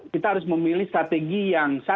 kita harus memilih strategi yang sama